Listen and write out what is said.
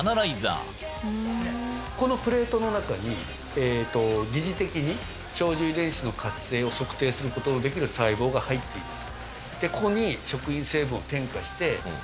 このプレートの中に疑似的に長寿遺伝子の活性を測定できる細胞が入っています。